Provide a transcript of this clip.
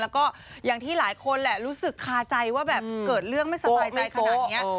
แล้วก็อย่างที่หลายคนแหละรู้สึกคาใจว่าแบบเกิดเรื่องไม่สบายใจขนาดนี้